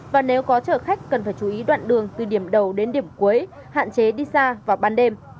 và nếu có chở khách cần phải chú ý đoạn đường từ điểm đầu đến điểm cuối hạn chế đi xa vào ban đêm